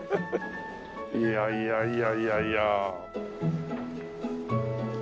いやいやいやいやいや。